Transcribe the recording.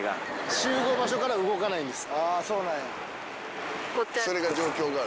集合場所から動かないんです。